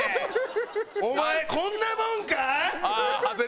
お前こんなもんか？